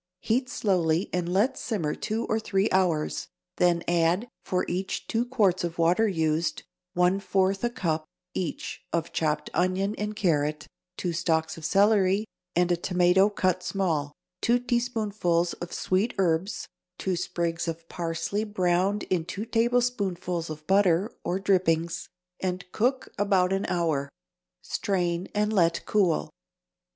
Heat slowly and let simmer two or three hours, then add, for each two quarts of water used, one fourth a cup, each, of chopped onion and carrot, two stalks of celery and a tomato cut small, two teaspoonfuls of sweet herbs, two sprigs of parsley browned in two tablespoonfuls of butter or drippings, and cook about an hour. Strain and let cool.